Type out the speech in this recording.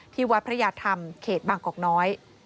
วัดพระยาธรรมเขตบางกอกน้อย